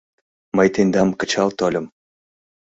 — Мый тендам кычал тольым.